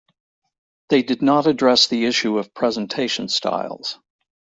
They did not address the issue of presentation styles.